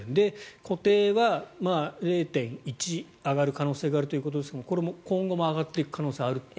固定は０．１上がる可能性があるということですがこれも今後も上がっていく可能性もあると？